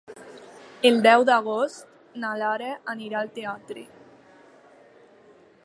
El deu d'agost na Lara anirà al teatre.